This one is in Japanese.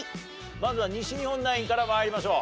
まずは西日本ナインから参りましょう。